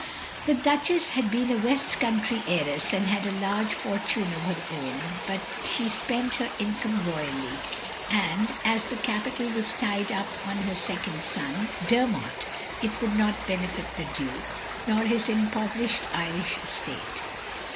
The Duchess had been a West Cotmtry heiress, and had a large forttme of her own; but she spent her income royally; and as the capital was tied up on her second son, Dermot, it would not benefit the Duke, nor his impoverished Irish estate.